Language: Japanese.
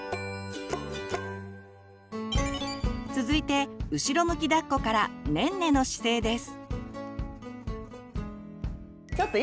続いて後ろ向きだっこからねんねの姿勢です。